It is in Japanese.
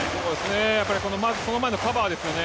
その前のカバーですよね